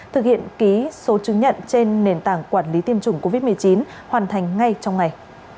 thực hiện ký số chứng nhận trên nền tảng quản lý tiêm chủng covid một mươi chín hoàn thành ngay trong ngày